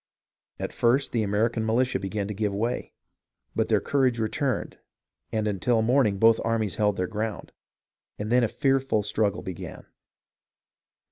At first the American militia began to give way, but their courage returned, and until morning both armies held their ground, and then a fearful struggle began.